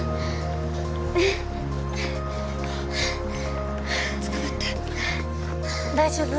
うっつかまって大丈夫？